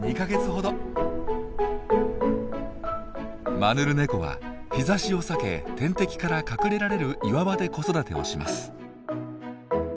マヌルネコは日ざしを避け天敵から隠れられる岩場で子育てをします。